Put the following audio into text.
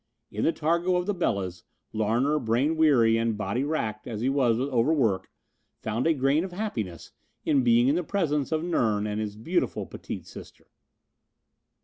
In the targo of the Belas, Larner, brain weary and body racked as he was with overwork, found a grain of happiness in being in the presence of Nern and his beautiful, petite sister.